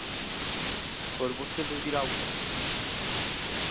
Pois vostede dirá o que queira.